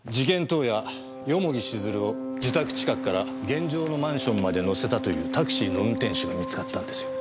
当夜蓬城静流を自宅近くから現場のマンションまで乗せたというタクシーの運転手が見つかったんですよ。